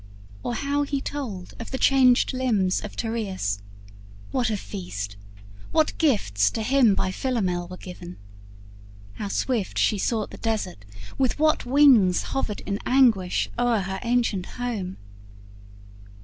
or how he told Of the changed limbs of Tereus what a feast, What gifts, to him by Philomel were given; How swift she sought the desert, with what wings Hovered in anguish o'er her ancient home?